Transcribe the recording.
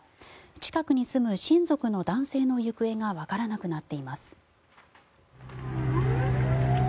近くに住む親族の男性の行方がわからなくなっています。